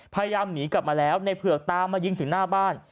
พยายามหนีกลับมาแล้วในเผือกตามมายิงถึงหน้าบ้าน